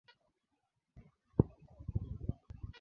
Kuna feri nyingi za kila siku za juu kutoka bandari ya Dar es Salaam